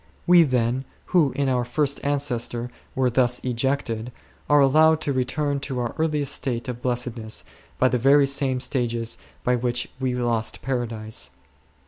We, then, who in our first ancestor were thus ejected, are allowed to return to our earliest state of blessedness by the very same stages by which we lost Paradise.